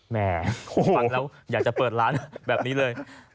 แม่ฟังแล้วอยากจะเปิดร้านแบบนี้เลย